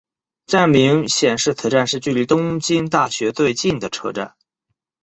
站名显示此站是距离东京大学最近的车站。